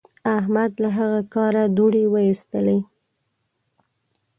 احمد له هغه کاره دوړې واېستلې.